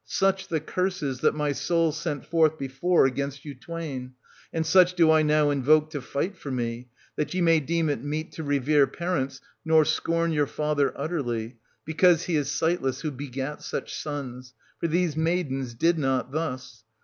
Such the curses that my soul sent Jorth before against you twain, ^nd such do I now MJvoke to fight for me, that ye may deem it meet to fevere parents, nor scorn your father utterly, because ^ is sightless who begat such sons ; for these maidens wd not thus.